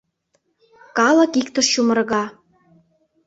Калык иктыш чумырга.